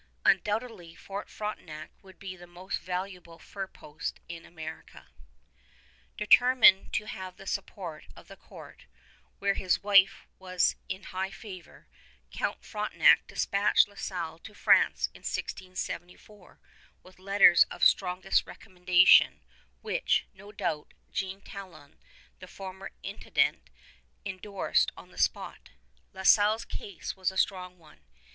Undoubtedly Fort Frontenac would be the most valuable fur post in America. [Illustration: OLD PLAN OF FORT FRONTENAC] Determined to have the support of the Court, where his wife was in high favor, Count Frontenac dispatched La Salle to France in 1674 with letters of strongest recommendation, which, no doubt, Jean Talon, the former Intendant, indorsed on the spot. La Salle's case was a strong one.